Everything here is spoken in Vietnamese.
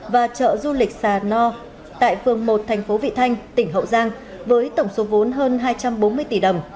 và chợ du lịch sà no tại phường một thành phố vị thanh tỉnh hậu giang với tổng số vốn hơn hai trăm bốn mươi tỷ đồng